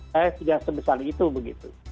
saya tidak sebesar itu begitu